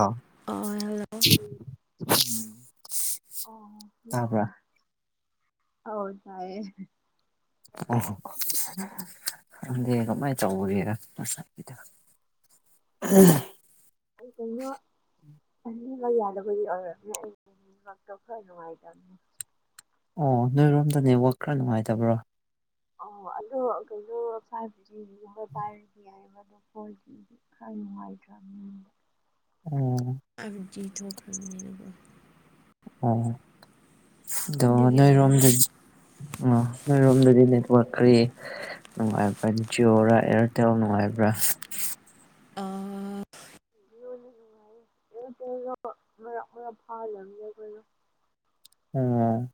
ꯑꯥ ꯑꯣ ꯍꯜꯂꯣ ꯇꯥꯕ꯭ꯔꯥ ꯍꯧ ꯇꯑꯌꯦ ꯑꯣ ꯍꯣ ꯑꯗꯤ ꯀꯃꯥꯏ ꯆꯧꯔꯤꯔ ꯑ ꯀꯅ ꯑꯅꯤꯕ ꯌꯥꯗꯕꯨꯗꯤ ꯑꯣꯏꯔꯝꯅꯦ ꯑꯩꯛꯇ ꯈꯔ ꯅꯨꯡꯉꯥꯏꯇꯕꯅꯤ ꯑꯣ ꯅꯣꯏꯔꯣꯝꯗ ꯅꯋꯥꯛ ꯈꯔ ꯅꯨꯡꯉꯥꯏꯇꯕ꯭ꯔꯣ ꯑꯣ ꯑꯂꯨ ꯀꯩꯅꯣꯒꯕ ꯄꯥꯏꯔꯗꯤ ꯌꯥ ꯑ ꯍꯣꯏꯗꯤꯗꯤ ꯈꯔ ꯅꯨꯡꯉꯥꯏꯇ꯭ꯔꯥ ꯃꯤ ꯑꯣ ꯑꯖꯤ ꯊꯣꯛꯅꯤꯅ ꯑꯣ ꯑꯗꯣ ꯑꯗꯨꯒꯤ ꯑꯣꯏꯔꯝꯅꯤ ꯅꯣꯏꯔꯣꯝꯗꯗꯤ ꯑ ꯅꯣꯏꯔꯣꯝꯗꯗꯤꯅꯦꯀꯣꯠ ꯑꯩ ꯅꯨꯡꯉꯥꯏꯕ꯭ꯔꯥ ꯖꯤꯑꯣꯔꯥ ꯑꯦꯌꯥꯔꯇꯦꯜ ꯅꯨꯡꯉꯥꯏꯕ꯭ꯔꯥ ꯑ ꯣ ꯃ ꯐꯜ ꯌꯥꯅ ꯎꯝ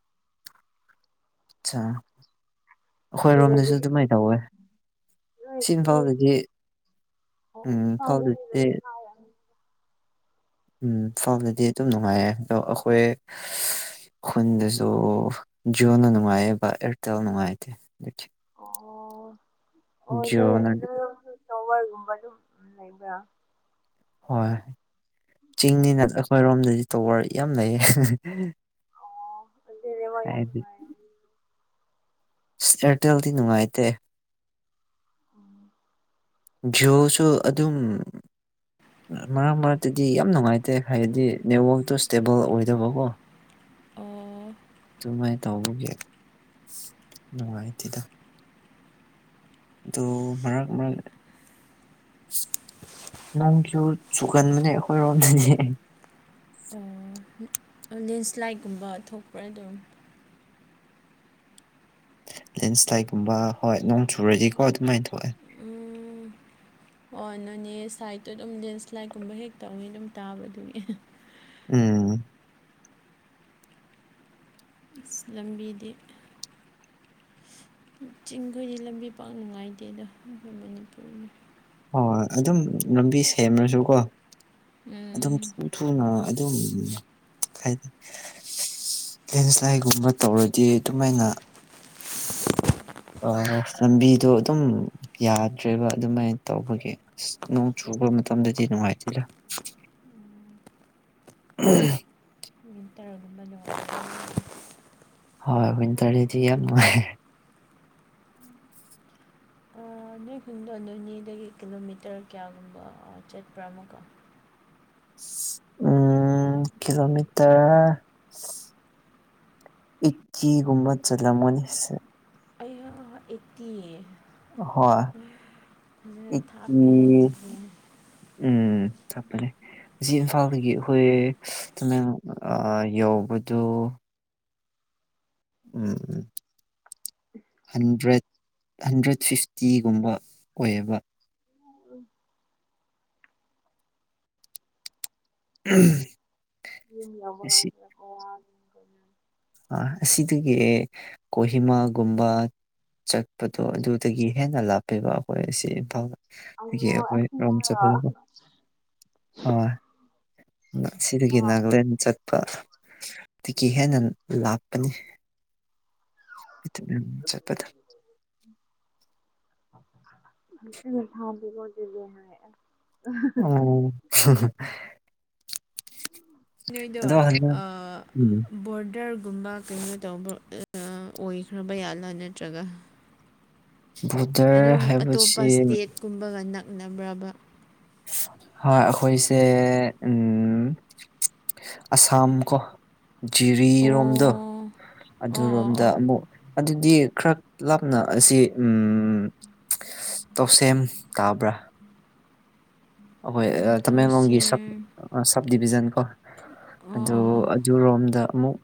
ꯑꯆꯥ ꯑꯩꯈꯣꯏ ꯔꯣꯝꯗꯁꯨ ꯑꯗꯨꯗꯗꯤ ꯑꯗꯨꯃꯥꯏꯅ ꯇꯧꯋꯦ ꯅꯣꯏ ꯁꯤ ꯅꯣꯏ ꯏꯝꯐꯥꯜꯗꯗꯤ ꯎꯝ ꯑꯣ ꯆꯗ ꯏꯝꯐꯥꯜꯗꯗꯤ ꯎꯝ ꯐꯥꯎꯗꯗꯤ ꯑꯗꯨꯝ ꯅꯨꯡꯉꯥꯏꯔꯦ ꯑꯗꯣ ꯑꯩꯈꯣꯏ ꯍꯟꯗꯁꯨ ꯖꯤꯣꯅ ꯅꯨꯡꯉꯥꯏꯌꯦꯕ ꯑꯦꯔꯇꯦꯜ ꯅꯨꯡꯉꯥꯏꯇꯦ ꯑꯣ ꯑꯣꯗ ꯖꯤꯑꯣꯅ ꯇꯣꯕꯔꯒꯨꯝꯕ ꯑꯗꯨꯝ ꯎ ꯂꯩꯕ꯭ꯔꯥ ꯍꯣꯏ ꯑꯣ ꯆꯤꯡꯅꯤꯅ ꯑꯩꯈꯣꯏꯔꯣꯝꯗꯗꯤ ꯇꯔ ꯌꯥꯝ ꯂꯩꯌꯦ ꯑꯣ ꯑꯗꯨ ꯔꯦ ꯋꯥ ꯍꯥꯏꯗꯤ ꯌꯥꯝꯅꯨꯡꯉ ꯑꯦꯌꯥꯔꯇꯦꯜꯗꯤ ꯅꯨꯡꯉꯥꯏꯇꯦ ꯎꯝ ꯣꯁꯨ ꯑꯗꯨꯝ ꯃꯔꯛ ꯃꯔꯛꯇꯗꯤ ꯌꯥꯝ ꯅꯨꯡꯉꯥꯏꯇꯦ ꯍꯥꯏꯗꯤ ꯅꯦꯠꯋꯥꯛꯇꯣ ꯏꯁꯇꯦꯕꯜ ꯑꯣꯏꯗꯕꯀꯣ ꯑꯣ ꯑꯗꯨꯃꯥꯏꯅ ꯇꯧꯕꯒꯤ ꯅꯨꯡꯉꯥꯏꯇꯦꯗ ꯑꯗꯨ ꯃꯔꯥꯡ ꯃꯔꯥꯡ ꯅꯪ ꯀꯔ ꯁꯨꯒꯥꯟ ꯃꯅꯤ ꯑꯩꯈꯣꯏ ꯔꯣꯅꯤ ꯂꯦꯟꯁ꯭ꯂꯥꯏꯠꯀꯨꯝꯕ ꯊꯣꯛꯄ꯭ꯔꯥ ꯑꯗꯨꯝ ꯂꯦꯟꯁꯇꯥꯏꯒꯨꯝꯕ ꯍꯣꯏ ꯅꯣꯡ ꯆꯨꯔꯁꯤꯀꯣ ꯑꯗꯨꯃꯥꯏꯅ ꯊꯣꯛꯑꯦ ꯎꯝ ꯑꯣ ꯅꯪꯅꯦ ꯁꯥꯏꯗꯠꯇꯨ ꯑꯗꯨꯝ ꯂꯦꯟꯁ꯭ꯂꯥꯏꯠꯀꯨꯝꯕ ꯍꯦꯛ ꯇꯧꯅꯤ ꯑꯗꯨꯝ ꯇꯥꯕꯗꯨꯒꯤ ꯎꯝ ꯂꯝꯕꯤꯗꯤ ꯆꯤꯡꯈꯣꯏꯗꯤ ꯂꯝꯕꯤ ꯄꯥꯛ ꯅꯨꯡꯉꯥꯏꯇꯦꯗ ꯑꯩꯈꯣꯏ ꯃꯅꯤꯄꯨꯔꯅꯤ ꯍꯣꯏ ꯍꯣꯏ ꯑꯗꯨꯝ ꯂꯝꯕꯤ ꯁꯦꯝꯃꯁꯨꯀꯣ ꯑꯗꯨꯝ ꯎꯝ ꯊꯨ ꯊꯨꯅ ꯈꯥꯏꯗ ꯐꯦꯟꯁꯂꯥꯏꯒꯨꯝꯕ ꯇꯧꯔꯗꯤ ꯑꯗꯨꯃꯥꯏꯅ ꯑ ꯂꯝꯕꯤꯗꯣ ꯑꯗꯨꯝ ꯌꯥꯗ꯭ꯔꯦꯕ ꯑꯗꯨꯃꯥꯏꯅ ꯇꯧꯕꯒꯤ ꯑꯁ ꯅꯣꯡ ꯆꯨꯕ ꯃꯇꯝꯗꯗꯤ ꯅꯨꯡꯉꯥꯏꯇꯦꯂꯥ ꯎꯝ ꯃꯤꯋꯇꯔ ꯑꯗꯨꯃ ꯍꯣꯏ ꯋꯤꯟꯇꯔꯗꯗꯤ ꯌꯥꯝ ꯅꯨꯡꯉꯥꯏ [unintelligible] ꯑꯥ ꯅꯣꯏ ꯈꯗꯣ ꯑꯗꯨ ꯑꯅꯤꯗꯒꯤ ꯀꯤꯂꯣꯃꯤꯇꯔ ꯀꯌꯥꯒꯨꯝꯕ ꯆꯠꯄ꯭ꯔꯥ ꯑꯃꯀꯣ ꯎꯝ ꯀꯤꯂꯣꯃꯤꯇꯔ ꯏꯀꯤꯒꯝꯠꯁꯨꯅꯍꯤꯁꯟ ꯑꯩ ꯑꯦꯠꯇꯤ ꯍ ꯏ ꯊꯥꯞꯄꯦꯍꯦ ꯑꯗꯨꯗꯤ ꯎꯝ ꯆꯠꯄꯔꯦ ꯉ ꯏꯝꯐꯥꯜꯗꯒꯤ ꯑꯩꯈꯣꯏ ꯇꯨꯃꯦꯡ ꯌꯧꯕꯗꯨ ꯎꯝ ꯎꯝ ꯍꯟꯗ꯭ꯔꯦꯠ ꯍꯟꯗ꯭ꯔꯦꯠ ꯁꯤꯤꯐꯇꯤꯒꯨꯝꯕ ꯑꯣꯏꯌꯦꯕ ꯎꯝ ꯌ ꯌꯥꯕ ꯑꯁꯤꯗꯒꯤ ꯀꯣꯍꯤꯃꯥꯒꯨꯝꯕ ꯆꯠꯄꯗꯣ ꯑꯗꯨꯗꯒꯤ ꯍꯦꯟꯅ ꯂꯥꯞꯄꯤꯕ ꯑꯩꯈꯣꯏ ꯑꯁꯤ ꯏꯝꯐꯥꯜ ꯑꯩꯌꯣ ꯑꯩꯈꯣꯏ ꯔꯣꯝ ꯆꯠꯕ ꯑꯁꯦꯡꯕꯔꯣ ꯍꯣꯏ ꯁꯤꯒꯤ ꯅ ꯐꯖꯅ ꯆꯠ ꯇꯤꯀ ꯍꯦꯟꯅ ꯂꯥꯞꯄꯅꯤ ꯆꯠꯗ ꯊꯦ ꯍꯥꯏ ꯑꯣ ꯅꯣꯏꯗꯣ ꯑꯗꯣ ꯍꯟꯗꯛ ꯎꯝ ꯕꯣꯔꯗꯔ ꯒꯨꯝꯕ ꯀꯩꯅꯣ ꯇꯧꯕ ꯑꯣꯏꯈ꯭ꯔꯕ ꯌꯥꯠꯂꯥ ꯅꯠꯇ꯭ꯔꯒ ꯕꯣꯔꯗꯔ ꯑꯗꯨꯝ ꯑꯇꯣꯞꯄ ꯍꯥꯏꯕꯁꯤ ꯏꯁꯇꯦꯠꯀꯨꯝꯕꯒ ꯅꯛꯅꯕ꯭ꯔꯕ ꯍꯣꯏ ꯑꯈꯣꯏꯁꯦ ꯎꯝ ꯑꯁꯥꯝ ꯀꯣ ꯑꯣ ꯖꯤꯔꯤꯔꯣꯝꯗꯣ ꯑꯣ ꯑꯣ ꯑꯗꯨꯔꯣꯝꯗ ꯑꯣ ꯑꯃꯨꯛ ꯑꯗꯨꯗꯤ ꯈꯔ ꯂꯥꯞꯅ ꯑꯁꯤ ꯎꯝ ꯇꯧꯁꯦꯝ ꯇꯥꯕ꯭ꯔꯥ ꯑꯈꯣꯏ ꯎꯝ ꯑꯦ ꯇꯃꯦꯡꯂꯣꯡꯒꯤ ꯇꯧꯁꯦ ꯁꯛ ꯑ ꯁꯕ ꯗꯤꯕꯤꯖꯟ ꯀꯣ ꯑꯣ ꯑꯣ ꯑꯗꯨ ꯑꯣ ꯑꯗꯨ ꯔꯣꯝꯗ ꯑꯃꯨꯛ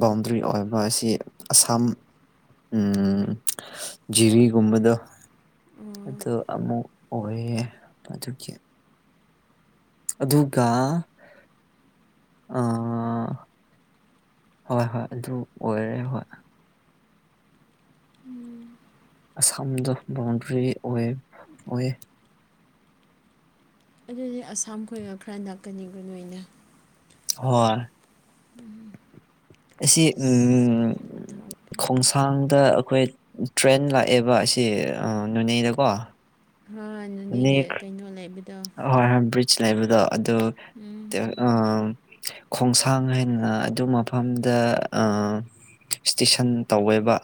ꯕꯥꯎꯟꯗ꯭ꯔꯤ ꯑꯣꯏꯕ ꯑꯁꯤ ꯑꯁꯥꯝ ꯎꯝ ꯖꯤꯔꯤꯒꯨꯝꯕꯗꯣ ꯑꯣ ꯑꯗꯣ ꯑꯃꯨꯛ ꯑꯣꯏꯌꯦ ꯑꯗꯨꯒꯤ ꯑꯗꯨꯒ ꯑꯥ ꯍꯣꯏ ꯍꯣꯏ ꯑꯗꯨ ꯑꯣꯏꯔꯦ ꯍꯣꯏ ꯎꯝ ꯊꯝꯗꯣ ꯕꯥꯎꯟꯗ꯭ꯔꯤ ꯑꯣꯏꯌꯦꯞ ꯑꯣꯏꯌꯦ ꯑꯗꯨꯗꯤ ꯑꯁꯥꯝ ꯈꯣꯏꯒ ꯈꯔ ꯅꯛꯀꯅꯤꯒ ꯅꯣꯏꯅ ꯍꯣꯏ ꯑꯁꯤ ꯑꯁ ꯑꯝ ꯐꯖꯅ ꯊꯥꯞꯄꯦ ꯈꯣꯡꯁꯥꯡꯗ ꯑꯈꯣꯏ ꯇ꯭ꯔꯦꯟ ꯂꯥꯛꯑꯦꯕ ꯑꯁꯤ ꯅꯣꯅꯦꯗꯀꯣ ꯍ ꯅꯅꯦꯒꯤ ꯀꯩꯅꯣ ꯂꯩꯕꯠ ꯑꯍꯣꯏ ꯕ꯭ꯔꯤꯖ ꯂꯩꯕꯗꯣ ꯎꯝ ꯑꯗꯨꯗ ꯑꯝ ꯈꯣꯡꯁꯥꯡ ꯍꯥꯏꯅ ꯑꯗꯨ ꯃꯐꯝꯗ ꯑ ꯏꯁꯇꯤꯁꯟ ꯇꯧꯋꯦꯕ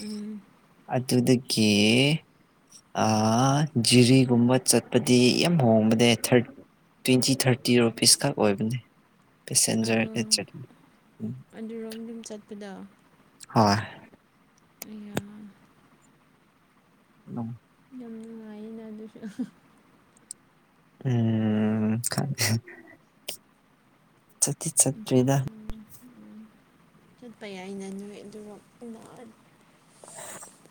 ꯎꯝ ꯀꯤꯏ ꯑ ꯖꯤꯔꯤꯒꯨꯝꯕ ꯆꯠꯄ ꯗꯤ ꯌꯥꯝ ꯍꯣꯡꯕꯅꯦ ꯊꯥꯔꯠ ꯇ꯭ꯋꯦꯟꯇꯤ ꯊꯥꯔꯇꯤ ꯔꯨꯄꯤꯁ ꯈꯛ ꯑꯣꯏꯕꯅꯦ ꯑꯔꯣ ꯄꯦꯁꯦꯟꯖꯔꯗ ꯆꯠꯂꯤ ꯎꯝ. ꯑꯗꯨꯔꯣꯝ ꯗꯨꯝ ꯆꯠꯄꯗ ꯑꯣꯏ ꯏꯌ ꯅꯧ ꯌꯥꯝ ꯅꯨꯉꯥꯏꯅ ꯑꯗꯨꯁꯨ ꯎꯝ ꯈꯠ ꯆꯠꯇꯤ ꯆꯠꯇ꯭ꯔꯦꯗ ꯎꯝ ꯆꯠꯄ ꯌꯥꯏꯅ ꯅꯣꯏ ꯑꯗꯨꯒ ꯄꯨꯡ ꯑ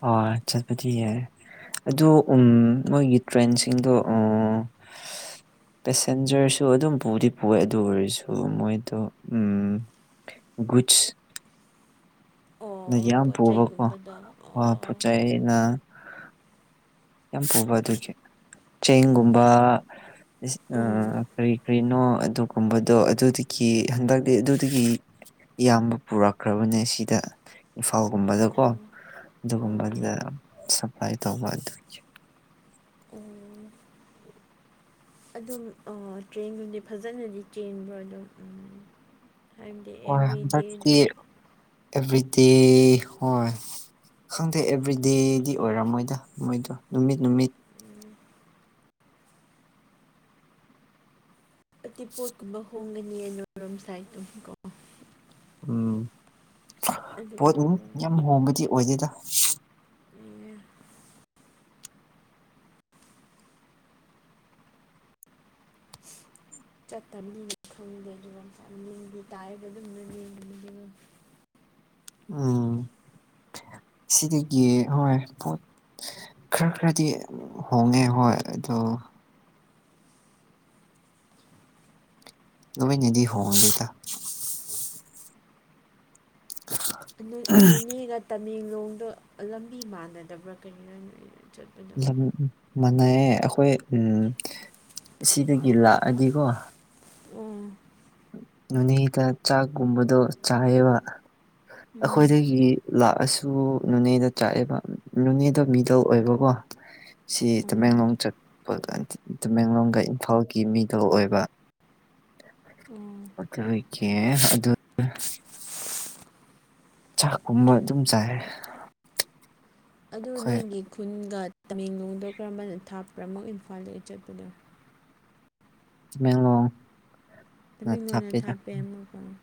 ꯑꯣ ꯆꯠꯄꯗꯤ ꯌꯥꯏ ꯑꯗꯨ ꯎꯝ ꯃꯣꯏꯒꯤ ꯇ꯭ꯔꯦꯟꯁꯤꯡꯗꯣ ꯑꯣ ꯄꯦꯁꯦꯟꯖꯔꯁꯨ ꯑꯗꯨꯝ ꯄꯨꯗꯤ ꯄꯨꯌꯦ ꯑꯗꯨ ꯑꯣꯏꯔꯁꯨ ꯃꯣꯏꯗꯣ ꯎꯝ ꯨꯒꯨꯠꯁ ꯅ ꯑꯣ ꯌꯥꯝ ꯄꯣꯠ ꯄꯣꯕꯀꯣ ꯆꯩꯒꯨꯝꯕꯗꯣ ꯋꯥ ꯑꯣ ꯄꯨꯠꯆꯩꯅ ꯌꯥꯝ ꯄꯨꯕ ꯑꯗꯨꯒꯤ ꯆꯦꯡꯒꯨꯝꯕ ꯏꯁ ꯑ ꯎꯝ ꯀꯔꯤ ꯀꯔꯤꯅꯣ ꯑꯗꯨꯒꯨꯝꯕꯗꯣ ꯑꯗꯨꯗꯀꯤ ꯍꯟꯗꯛꯗꯤ ꯑꯗꯨꯗꯒꯤ ꯏꯌꯥꯝꯕ ꯄꯨꯔꯛꯈ꯭ꯔꯕꯅꯦ ꯁꯤꯗ ꯑꯣ ꯏꯝꯐꯥꯜꯒꯨꯝꯕꯗꯀꯣ ꯎꯝ ꯎꯝ ꯑꯗꯨꯒꯨꯝꯕꯗ ꯁꯞꯄꯂꯥꯏ ꯑꯗꯨꯒꯤ ꯎꯝ ꯑꯗꯨꯝ ꯑꯥ ꯇ꯭ꯔꯦꯟꯒꯨꯝꯗꯤ ꯐꯖꯅꯗꯤ ꯆ꯭ꯔꯦꯟꯕ꯭ꯔ ꯑꯗꯨꯝ ꯍꯥꯏꯕꯗꯤ ꯍꯣꯏ ꯑꯦꯕ꯭ꯔꯤꯗꯦ ꯍꯟꯗꯛꯇꯤ ꯑꯗꯨꯝ ꯑꯦꯚ꯭ꯔꯤꯗꯦ ꯍꯣꯏ ꯈꯪꯗꯦ ꯑꯦꯕ꯭ꯔꯤꯗꯦꯗꯤ ꯑꯣꯏꯔꯝꯃꯣꯏꯗ ꯃꯣꯏꯗꯣ ꯅꯨꯃꯤꯠ ꯅꯨꯃꯤꯠ ꯎꯝ ꯑꯠꯇꯤ ꯄꯣꯠꯀꯨꯝꯕ ꯍꯣꯡꯒꯅꯤꯌꯦ ꯅꯣꯏ ꯔꯣꯝ ꯁꯥꯏ ꯇꯨ ꯀꯣꯑꯣ ꯎꯝ ꯄꯣꯠ ꯑꯗꯨꯒꯨꯝꯕ ꯎꯝ ꯌꯥꯝ ꯍꯣꯡꯕꯗꯤ ꯑꯣꯏꯗꯦꯗꯥ ꯆꯠꯇꯕꯅꯤꯅ ꯈꯪꯗꯦ ꯑꯗꯨ ꯇꯥꯏꯌꯦꯕ ꯑꯗꯨꯝ [unintelligible] ꯎꯝ ꯁꯤꯗꯤꯒꯦ ꯍꯣꯏ ꯈꯔ ꯈꯔꯗꯤ ꯍꯣꯡꯉꯦ ꯍꯣꯏ ꯑꯗꯣ ꯑꯗꯨꯃꯤ ꯅꯤꯡꯗꯤ ꯍꯣꯡꯒꯤꯇ ꯅꯨꯅꯦꯒ ꯇꯃꯦꯡꯂꯣꯡꯗ ꯂꯝꯕꯤ ꯃꯥꯟꯅꯗꯕ꯭ꯔꯥ ꯀꯔꯤꯅꯣ ꯆꯠꯄꯅ ꯃꯅꯩꯑꯌꯦ ꯑꯩꯈꯣꯏ ꯎꯝ ꯁꯤꯗꯒꯤ ꯂꯥꯛꯑꯗꯤꯀꯣ ꯎꯝ ꯅꯦꯗ ꯆꯥꯛꯀꯨꯝꯕꯗꯣ ꯆꯥꯏꯑꯕ ꯎꯝ ꯑꯩꯈꯣꯏꯗꯒꯤ ꯂꯥꯛꯑꯁꯨ ꯇꯨ ꯅꯣꯅꯦꯗ ꯆꯥꯛꯑꯦꯕ ꯅꯣꯅꯦꯗ ꯃꯤꯗꯜ ꯑꯣꯏꯕꯀꯣ ꯁꯤ ꯑꯣ ꯇꯃꯦꯡꯂꯣꯡ ꯆꯠꯄꯥꯟꯇ ꯇꯃꯦꯡꯂꯣꯡꯗ ꯏꯝꯐꯥꯜꯒꯤ ꯃꯤꯗꯣ ꯑꯣꯏꯕ ꯑꯣ ꯑꯗꯨ ꯑꯣꯏꯈꯤ ꯑꯦ ꯑꯗꯨ ꯆꯥꯛꯀꯨꯝꯕ ꯑꯗꯨꯝ ꯆꯥꯏ ꯑꯗꯨ ꯑꯩꯈꯣꯏ ꯅꯣꯏꯒꯤ ꯈꯨꯟꯒ ꯇꯃꯦꯡꯂꯣꯡꯗ ꯀꯔꯝꯕ ꯊꯥꯄ꯭ꯔꯥꯃꯨꯛ ꯏꯝꯐꯥꯜꯗꯒꯤ ꯆꯠꯄꯅꯣ ꯕꯦꯡꯂꯣꯡꯣꯡ ꯇꯃꯤꯡꯣꯟ ꯑꯣꯏꯅ ꯊꯥꯞꯄꯦ ꯑꯃꯨꯛ ꯀꯩꯅꯣ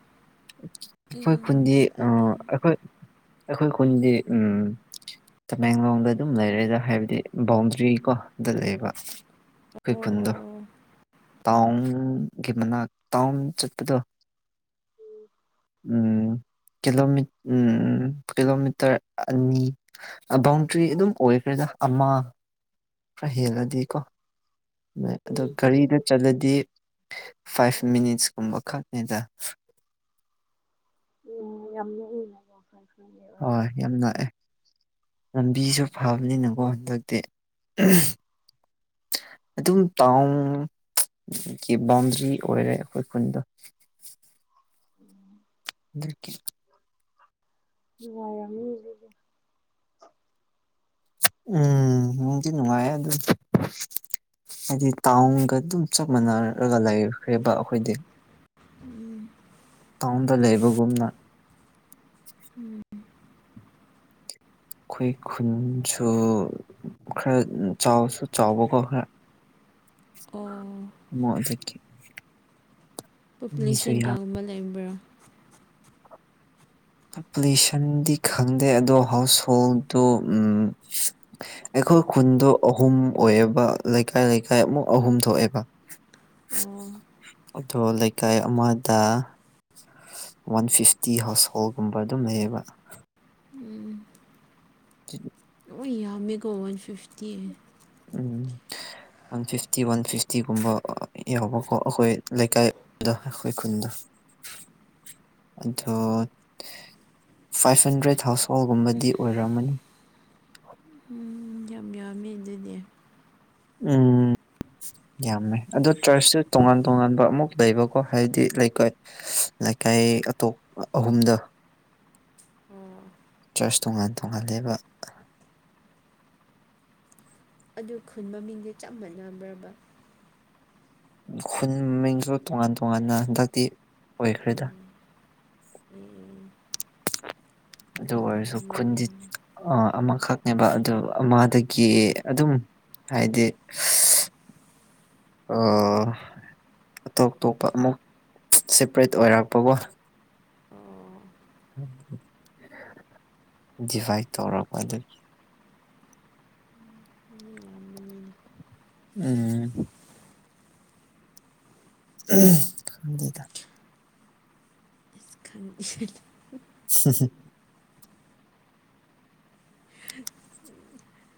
ꯑꯩꯈꯣꯏ ꯈꯨꯟꯗꯤ ꯑ ꯑꯩꯈꯣꯏ ꯑꯩꯈꯣꯏ ꯈꯨꯟꯗꯤ ꯎꯝ ꯇꯃꯦꯡꯂꯣꯡꯗ ꯑꯗꯨꯝ ꯂꯩꯔꯦꯗ ꯍꯥꯏꯕꯗꯤ ꯕꯥꯎꯟꯗ꯭ꯔꯤ ꯑꯣ ꯑꯗꯨ ꯂꯩꯕ ꯑꯩꯈꯣꯏ ꯑꯣ ꯑꯣ ꯈꯨꯨꯟꯗꯣ ꯑꯣ ꯇꯥꯎꯟꯒꯤ ꯃꯅꯥꯛ ꯇꯥꯎꯟ ꯆꯠꯄꯗ ꯎꯝ ꯤꯂꯣ ꯎꯝ ꯀꯤꯂꯣꯃꯤꯇꯔ ꯑꯅꯤ ꯕꯥꯎꯟꯗ꯭ꯔꯤ ꯑꯗꯨꯝ ꯑꯣꯏꯈ꯭ꯔꯦ ꯑꯗꯨꯗ ꯑꯃ ꯈꯔ ꯍꯦꯜꯂꯗꯤꯀꯣ ꯒꯥꯔꯤꯗ ꯆꯠꯂꯗꯤ ꯐꯥꯏꯚ ꯃꯤꯅꯤꯠꯁꯀꯨꯝꯕ ꯈꯛꯅꯤꯗ ꯑ ꯋꯥ ꯐꯔ ꯍꯣꯏ ꯌꯥꯝ ꯂꯥꯛꯑꯦ ꯂꯝꯕꯤꯁꯨ ꯐꯕꯅꯤꯅꯀꯣ ꯍꯟꯗꯛꯇꯤ ꯑꯗꯨ ꯑꯗꯨ ꯇꯥꯎ ꯀ ꯕꯥꯎꯟꯗ꯭ꯔꯤ ꯑꯣꯏꯔꯦ ꯑꯩꯈꯣꯏ ꯈꯨꯗ ꯎꯝ ꯗꯀꯤ ꯅꯨꯡꯉ ꯃꯤ ꯎꯝ ꯃꯗꯤ ꯅꯨꯡꯉꯥꯏ ꯑꯗꯨ ꯍꯥꯏꯗꯤ ꯇꯥꯎꯟꯒ ꯑꯗꯨꯝ ꯆꯞ ꯃꯥꯟꯅꯔꯒ ꯂꯩꯈ꯭ꯔꯦꯕ ꯑꯩꯈꯣꯏꯗꯤ ꯎꯝ ꯇ ꯂꯩꯕꯒꯨꯝꯅ ꯎꯝ ꯑꯩꯈꯣꯏ ꯈꯨꯟꯁꯨ ꯈꯔ ꯆꯁꯨ ꯆꯥꯎꯕꯣ ꯀꯣ ꯈꯦ ꯑꯣ ꯃꯣꯂꯈꯤ ꯄꯣꯄꯨꯂꯦꯁꯟ ꯀꯌꯥꯒꯨꯝꯕ ꯂꯩꯕ꯭ꯔꯥ ꯄꯣꯄꯨꯂꯦꯁꯟꯗꯤ ꯈꯪꯗꯦ ꯑꯗꯣ ꯍꯥꯎꯁ ꯍꯣꯜꯗꯣ ꯑꯩꯈꯣꯏ ꯈꯨꯟꯗꯣ ꯑꯍꯨꯝ ꯑꯣꯏꯌꯦꯕ ꯂꯩꯀꯥꯏ ꯂꯩꯀꯥꯏ ꯑꯃꯨꯛ ꯑꯍꯨꯝ ꯊꯣꯛꯑꯦꯕ ꯑꯣ ꯑꯣ ꯂꯩꯀꯥꯏ ꯑꯃꯗ ꯋꯥꯟ ꯐꯤꯐꯇꯤ ꯍꯥꯎꯁ ꯍꯣꯜꯒꯨꯝꯕ ꯑꯗꯨꯝ ꯂꯩꯌꯦꯕ ꯎꯝ [inaudible] ꯌꯥ ꯃꯒꯣ ꯋꯥꯟ ꯐꯤꯐꯇꯤ ꯎꯝ ꯋꯥꯟ ꯐꯤꯐꯇꯤ ꯋꯥꯟ ꯐꯤꯐꯇꯤꯒꯨꯝꯕ ꯌꯥꯎꯕꯀꯣ ꯑꯩꯈꯣꯏ ꯂꯩꯀꯥꯏ ꯈꯣꯏ ꯈꯨꯟꯗ ꯑꯗꯣ ꯐꯥꯏꯚ ꯍꯟꯗ꯭ꯔꯦꯠ ꯍꯥꯎꯁ ꯍꯣꯜꯒꯨꯝꯕꯗꯤ ꯑꯣꯏꯔꯝꯑꯃꯅꯤ ꯎꯝ ꯌꯥꯝ ꯌꯥꯝꯃꯦ ꯑꯗꯨꯗꯤ ꯎꯝ ꯌꯥꯝꯃꯦ ꯑꯗ ꯆꯔꯆꯁꯦ ꯇꯣꯉꯥꯟ ꯇꯣꯉꯥꯟꯕ ꯑꯃꯨꯛ ꯂꯩꯕꯀꯣ ꯍꯥꯏꯗꯤ ꯂꯩꯀꯣꯏ ꯀꯥꯏ ꯑꯇꯣꯞ ꯑꯍꯨꯝꯗ ꯑꯣ ꯆꯔꯆ ꯇꯣꯉꯥꯟ ꯇꯣꯉꯥꯟ ꯂꯦꯕ ꯑꯗꯨ ꯈꯨꯟ ꯃꯃꯤꯡꯁꯦ ꯆꯞ ꯃꯥꯟꯅꯕ꯭ꯔꯕ ꯈꯨꯟ ꯃꯃꯤꯡꯁꯨ ꯇꯣꯉꯥꯟ ꯇꯣꯉꯥꯟꯅ ꯍꯟꯗꯛꯇꯤ ꯑꯣꯏꯈ꯭ꯔꯦꯗ ꯎꯝ ꯎꯝ ꯑꯗꯨ ꯎꯝ ꯑꯣꯏꯔꯁꯨ ꯈꯨꯟꯁꯤ ꯌꯥꯝꯃꯟꯕꯒꯤꯔ ꯑꯃꯈꯛꯅꯦꯕ ꯑꯗꯨ ꯑꯃꯗꯒꯤ ꯎꯝ ꯑꯗꯨꯝ ꯍꯥꯏꯗꯤ ꯑ ꯑꯇꯣꯞꯇꯣꯞꯄ ꯑꯃꯨꯛ ꯁꯦꯄꯔꯦꯠ ꯑꯣꯏꯔꯛꯄꯒꯣ ꯑꯣ ꯗꯤꯚꯥꯏꯠ ꯇꯧꯔꯔꯕ ꯑꯗꯨꯒꯤ ꯃꯤ ꯌꯥꯝꯕꯅꯤꯅꯦ ꯎꯝ ꯎ ꯈꯗ ꯈꯪ ꯍ [unintelligible]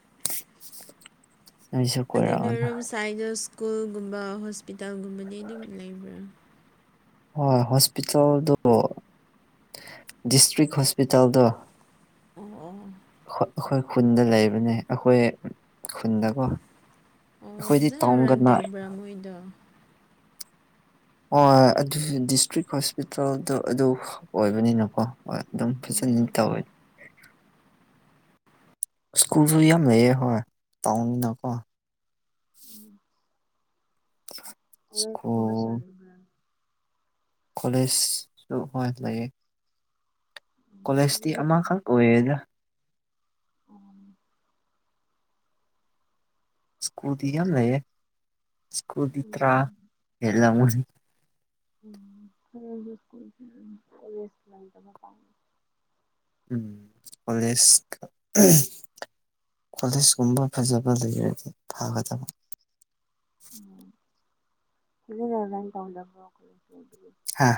[inaudible] ꯑꯗꯨꯅ ꯀꯣꯏꯔꯛꯑꯣꯅꯦ ꯔꯣꯝ ꯁꯥꯏꯗ ꯁ꯭ꯀꯨꯜꯒꯨꯝꯕ ꯍꯣꯁꯄꯤꯇꯥꯜꯒꯨꯝꯕꯗꯤ ꯑꯗꯨꯝ ꯂꯩꯕ꯭ꯔꯥ ꯍꯣꯏ ꯍꯣꯁꯄꯤꯇꯥꯜꯗ ꯗꯤꯁꯇ꯭ꯔꯤꯛ ꯍꯣꯁꯄꯤꯇꯥꯜꯗ ꯑꯣ ꯑꯩꯈꯣꯏ ꯈꯨꯟꯗ ꯂꯩꯕꯅꯦ ꯑꯩꯈꯣꯏ ꯈꯨꯟꯗꯀꯣ ꯑꯣ ꯑꯩꯈꯣꯏꯗꯤ ꯐꯖꯅ ꯔꯟ ꯇꯥꯎꯟꯒꯅ ꯇꯧꯕ꯭ꯔꯥ ꯃꯣꯏꯗꯣ ꯍꯣꯏꯣꯏ ꯑꯗꯨ ꯗꯤꯁꯇ꯭ꯔꯤꯛ ꯍꯣꯁꯄꯤꯇꯥꯜꯗ ꯑꯗꯨ ꯑꯣꯏꯕꯅꯤꯅꯀꯣ ꯍꯣꯏ ꯑꯗꯨꯝ ꯐꯖ ꯎꯝ ꯆꯠꯇ ꯑꯣꯏ ꯁ꯭ꯀꯨꯁꯨ ꯏ ꯌꯥꯝ ꯃꯦꯦ ꯍ ꯇꯥꯎꯅꯤꯅꯀꯣ [inaudible] ꯑ ꯊꯃ ꯁꯔꯕ ꯀꯂꯦꯖꯁꯨ ꯍ ꯂꯩꯦ ꯀꯣꯂꯦꯖꯇꯤ ꯑꯃꯈꯛ ꯑꯣꯏꯌꯦꯗ ꯎꯝ ꯏꯁꯀꯨꯇ ꯌꯥꯝ ꯂꯩ ꯏꯁꯀꯨꯗꯤ ꯇ꯭ꯔꯥ ꯑꯦꯂ ꯎꯝ ꯁꯀ ꯀ ꯇꯕꯥ ꯄ ꯎꯝ ꯀꯂꯦꯖ ꯀꯂꯦꯖ ꯀꯨꯝꯕ ꯐꯖꯕ ꯂꯦ ꯐꯥꯕꯖꯕ ꯑꯗꯨ ꯇꯗ ꯍꯥꯥ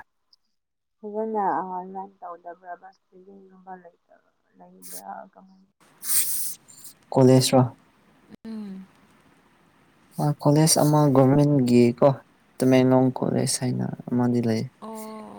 ꯐꯖꯅ ꯑꯣꯟꯂꯥꯏꯟ ꯇꯧꯗꯕ꯭ꯔꯥ ꯕꯁ ꯄꯡꯒꯨꯝꯕ ꯂꯩꯇꯕ꯭ꯔꯥ ꯕ ꯀꯃꯥꯏ ꯀꯣꯂꯦꯖꯔꯣ ꯎꯟ ꯀꯣꯂꯦꯖ ꯑꯃ ꯒꯣꯔꯔꯃꯦꯟꯒꯤ ꯀꯣ ꯇꯃꯦꯡꯂꯣꯡ ꯀꯣꯂꯦꯖ ꯍꯥꯏꯅ ꯗꯤ ꯂꯩ ꯑꯣ